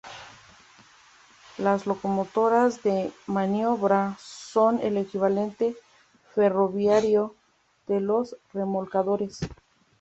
Las locomotoras de maniobra son el equivalente ferroviario de los remolcadores.